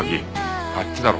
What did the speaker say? あっちだろ。